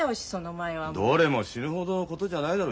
どれも死ぬほどのことじゃないだろ。